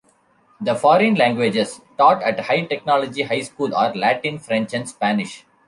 The foreign languages taught at High Technology High School are Latin, French and Spanish.